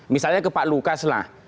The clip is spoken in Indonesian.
misalnya ke pak lukas lah